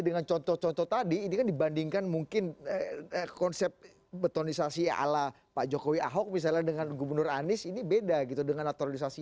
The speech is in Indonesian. dengan contoh contoh tadi ini kan dibandingkan mungkin konsep betonisasi ala pak jokowi ahok misalnya dengan gubernur anies ini beda gitu dengan naturalisasi